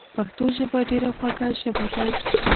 پښتو ژبه ډیره خوږه ژبه ده